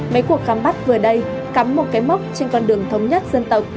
mấy cuộc khám bắt vừa đây cắm một cái mốc trên con đường thống nhất dân tộc